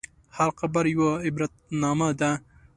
هر قبر یوه عبرتنامه ده.